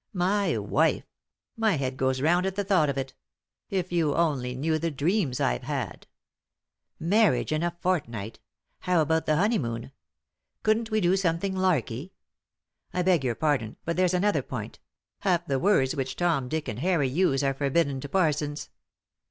My wife I — my head goes round at the thought of it 1 — if you only knew the dreams I've had 1 Marriage in a fortnight ; how about the honey moon ? Couldn't we do something larky ? I beg your pardon, but there's another point — half the words which Tom, Dick, and Harry use are forbidden to parsons.